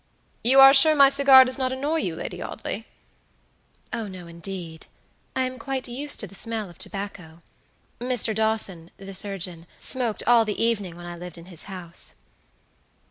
"You are sure my cigar does not annoy you, Lady Audley?" "Oh, no indeed; I am quite used to the smell of tobacco. Mr. Dawson, the surgeon, smoked all the evening when I lived in his house."